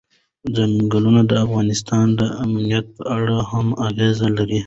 ځنګلونه د افغانستان د امنیت په اړه هم اغېز لري.